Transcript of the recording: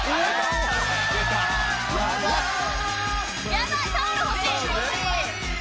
ヤバいタオル欲しい。